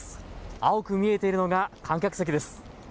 青く見えているのが観客席です。